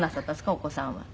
お子さんは。